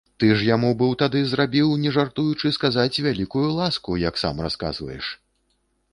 Ты ж яму быў тады зрабіў, не жартуючы сказаць, вялікую ласку, як сам расказваеш.